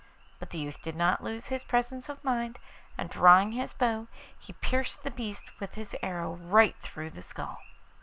But the youth did not lose his presence of mind, and drawing his bow he pierced the beast with his arrow right through the skull.